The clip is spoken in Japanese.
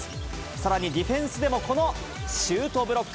さらにディフェンスでもこのシュートブロック。